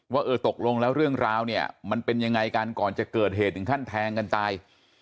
ว่าเออตกลงแล้วเรื่องราวเนี่ยมันเป็นยังไงกันก่อนจะเกิดเหตุถึงขั้นแทงกันตาย